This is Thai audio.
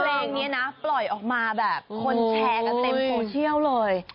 เพลงนี้นะปล่อยออกมาแบบคนแชร์กันเต็มโซเชียลเลย